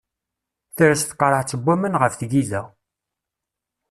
Tres tqerɛet n waman ɣef tgida.